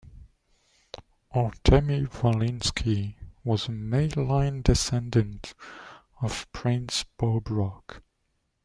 Artemy Volynsky was a male-line descendant of Prince Bobrok.